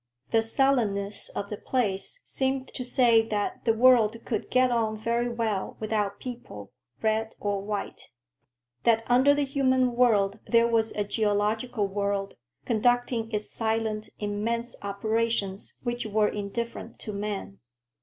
The sullenness of the place seemed to say that the world could get on very well without people, red or white; that under the human world there was a geological world, conducting its silent, immense operations which were indifferent to man.